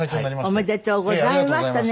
おめでとうございましたね。